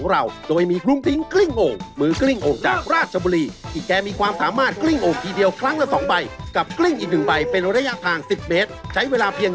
ใครคือคนเชิญนางใหญ่วัดขนรตัวจริง